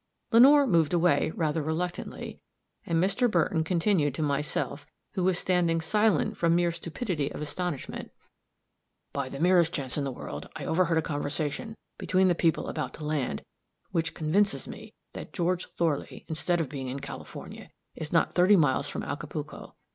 Lenore moved away, rather reluctantly, and Mr. Burton continued to myself, who was standing silent from mere stupidity of astonishment: "By the merest chance in the world I overheard a conversation between the people about to land, which convinces me that George Thorley, instead of being in California, is not thirty miles from Acapulco.